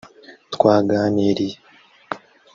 twaganiriye